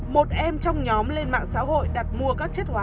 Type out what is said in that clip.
một em trong nhóm lên mạng xã hội đặt mua các chất hóa